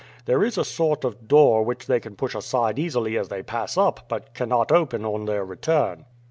There is a sort of door which they can push aside easily as they pass up, but cannot open on their return."